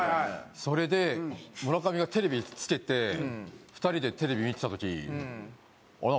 それで村上がテレビつけて２人でテレビ見てた時あれ？